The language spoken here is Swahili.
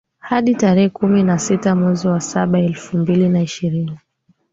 hadi tarehe kumi na sita mwezi wa saba elfu mbili na ishirini